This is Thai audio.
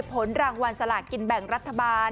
ผลรางวัลสลากินแบ่งรัฐบาล